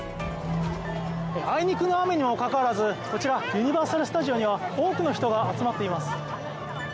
あいにくの雨にもかかわらず、こちらユニバーサル・スタジオには多くの人が集まっています。